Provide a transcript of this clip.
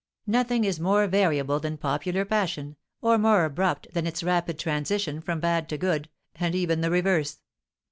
Nothing is more variable than popular passion, or more abrupt than its rapid transition from bad to good, and even the reverse.